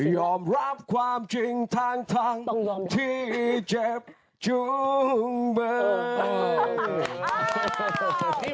ยอมรับความจริงทั้งทั้งที่เจ็บจุ้งเบย